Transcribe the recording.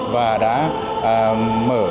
và đã mở